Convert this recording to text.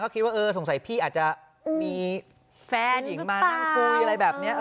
ก็คิดว่าสงสัยพี่อาจจะมีแฟนหรือเปล่าผู้หญิงมานั่งคุยอะไรแบบนี้